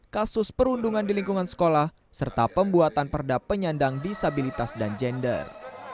kasus perundungan di lingkungan sekolah serta pembuatan perda penyandang disabilitas dan gender